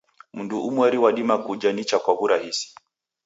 Mndu umweri wadima kuja nicha na kwa w'urahisi.